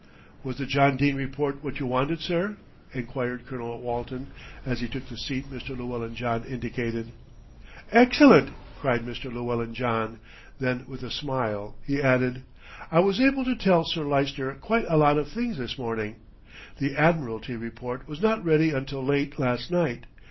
"Was the John Dene Report what you wanted, sir?" enquired Colonel Walton, as he took the seat Mr. Llewellyn John indicated. "Excellent," cried Mr. Llewellyn John; then with a smile he added, "I was able to tell Sir Lyster quite a lot of things this morning. The Admiralty report was not ready until late last night.